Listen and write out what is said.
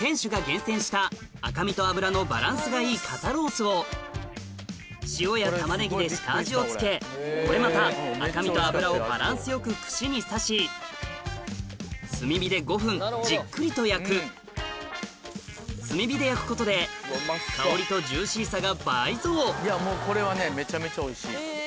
店主が厳選した赤身と脂のバランスがいい肩ロースを塩やタマネギで下味を付けこれまた赤身と脂をバランスよく串に刺し炭火で５分じっくりと焼く炭火で焼くことで香りとジューシーさが倍増もうこれはねめちゃめちゃおいしい。